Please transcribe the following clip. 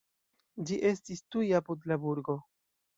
Ĝi estis tuj apud la burgo.